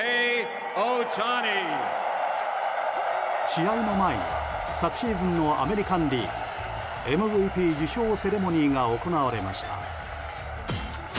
試合の前には昨シーズンのアメリカン・リーグＭＶＰ受賞セレモニーが行われました。